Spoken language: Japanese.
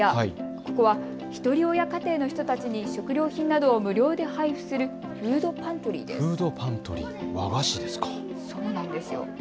ここはひとり親家庭の人たちに食料品などを無料で配布するフードパントリーです。